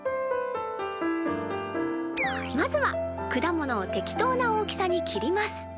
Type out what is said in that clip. まずはくだものを適当な大きさに切ります！